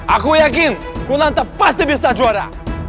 aku yakin kunanta pasti bisa juara